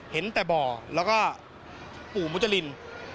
เห็นแต่บ่อแล้วก็ปู่มุจริน